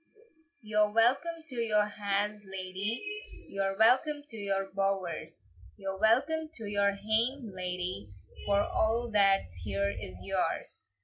"You're welcome to your ha's, ladye, You're welcome to your bowers; Your welcome to your hame, ladye, For a' that's here is yours."